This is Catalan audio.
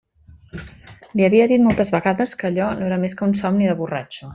Li havia dit moltes vegades que allò no era més que un somni de borratxo.